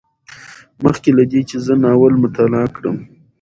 مخکې له دې چې زه ناول مطالعه کړم